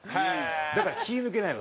だから気ぃ抜けないの。